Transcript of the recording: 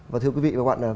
và thưa quý vị và các bạn